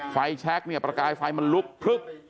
ไฟแชคประกายไฟมันลุกปฤบ